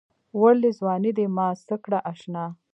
وړلې ځــواني دې زمـا څه کړه اشـنا